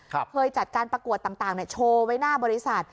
เคยจัดการประกวดต่างโชว์ไว้หน้าบริษัท